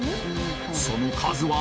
その数は？